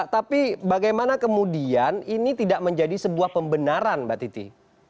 tapi bagaimana kemudian ini tidak menjadi sebuah pembenaran mbak titi